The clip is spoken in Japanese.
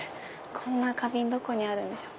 こんな花瓶どこにあるんでしょう。